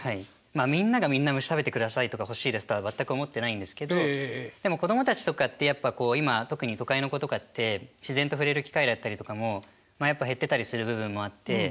まあみんながみんな虫食べてくださいとかほしいですとは全く思ってないんですけどでも子供たちとかってやっぱこう今特に都会の子とかって自然と触れる機会だったりとかもやっぱ減ってたりする部分もあって。